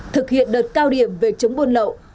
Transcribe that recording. thực hiện đợt cao điểm về chống buôn lậu